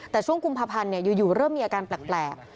แต่ช่วงกุมภาพันธ์อยู่เริ่มมีอาการแปลก